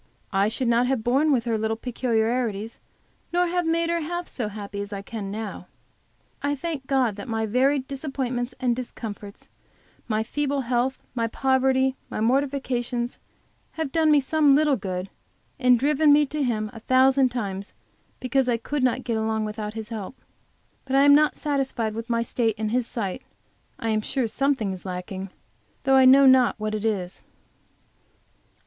I should not have borne with her little peculiarities, nor have made her half so happy as I can now. I thank God that my varied disappointments and discomforts, my feeble health, my poverty, my mortifications have done me some little good, and driven me to Him a thousand times because I could not get along without His help. But I am not satisfied with my state in His sight. I am sure something is lacking, though I know not what it is.